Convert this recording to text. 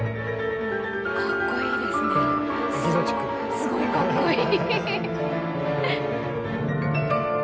すごいかっこいい！